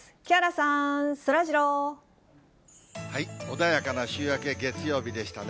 穏やかな週明け、月曜日でしたね。